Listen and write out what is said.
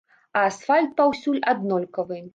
А асфальт паўсюль аднолькавы.